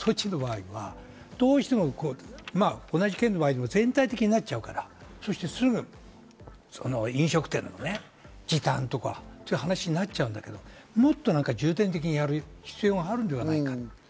まん延防止の場合はどうしても同じ県の場合でも全体的になっちゃうから、すぐ飲食店の時短とか、そういう話になっちゃうんだけど、もっと重点的にやる必要があるんではないか。